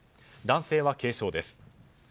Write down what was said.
男性は軽傷です。